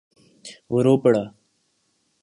وہ رو پڑا۔